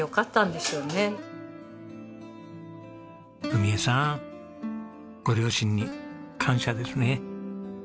史枝さんご両親に感謝ですね。